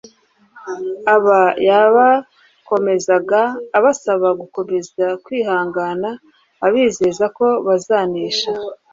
Aba yabakomezaga abasaba gukomeza kwihangana, abizeza ko bazanesha;